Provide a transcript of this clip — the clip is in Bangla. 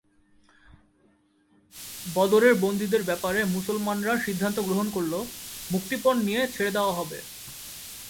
বদরের বন্দীদের ব্যাপারে মুসলমানরা সিদ্ধান্ত গ্রহণ করলো, মুক্তিপণ নিয়ে ছেড়ে দেওয়া হবে।